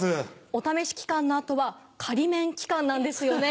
お試し期間の後は仮免期間なんですよね？